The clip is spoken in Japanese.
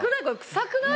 臭くない？